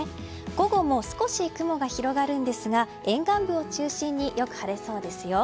午後も少し雲が広がるんですが沿岸部を中心によく晴れそうです。